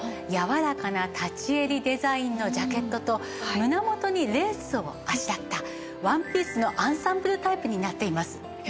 やわらかな立ち襟デザインのジャケットと胸元にレースをあしらったワンピースのアンサンブルタイプになっています。